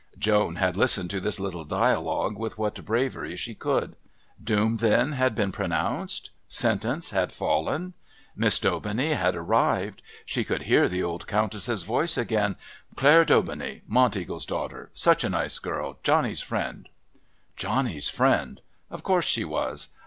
Joan had listened to this little dialogue with what bravery she could. Doom then had been pronounced? Sentence had fallen? Miss Daubeney had arrived. She could hear the old Countess' voice again. "Claire Daubeney Monteagle's daughter such, a nice girl Johnny's friend " Johnny's friend! Of course she was.